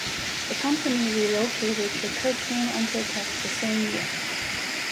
The company relocated to Kirchheim unter Teck the same year.